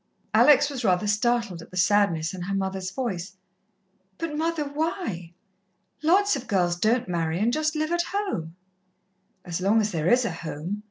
Alex was rather startled at the sadness in her mother's voice. "But, mother, why? Lots of girls don't marry, and just live at home." "As long as there is a home.